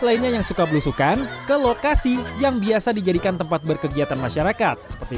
lainnya yang suka belusukan ke lokasi yang biasa dijadikan tempat berkegiatan masyarakat seperti